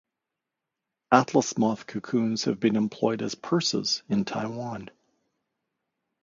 Atlas moth cocoons have been employed as purses in Taiwan.